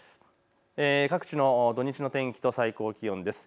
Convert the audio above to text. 各地の土日の天気と最高気温です。